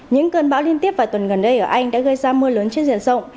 những cơn bão liên tiếp vài tuần gần đây ở anh đã gây ra mưa lớn trên diện rộng